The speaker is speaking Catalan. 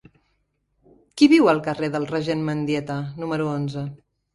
Qui viu al carrer del Regent Mendieta número onze?